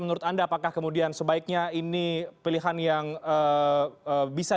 menurut saya bisa